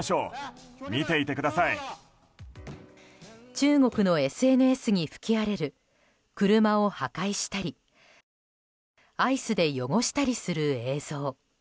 中国のＳＮＳに吹き荒れる車を破壊したりアイスで汚したりする映像。